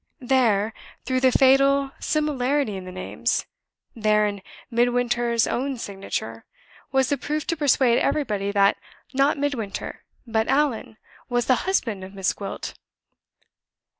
There through the fatal similarity in the names there, in Midwinter's own signature, was the proof to persuade everybody that, not Midwinter, but Allan, was the husband of Miss Gwilt!